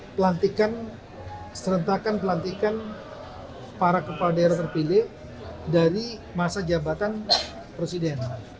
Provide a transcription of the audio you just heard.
pelantikan serentakan pelantikan para kepala daerah terpilih dari masa jabatan presiden